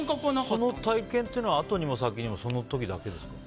その体験というのは後にも先にもその時だけですか？